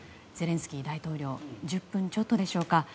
ゼレンスキー大統領１０分ちょっとでしょうか